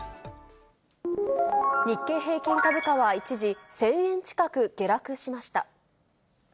日経平均株価は、一時、１０００円近く下落しました。